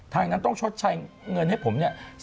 ทางนั้นต้องชดใช้เงินให้ผมเนี่ย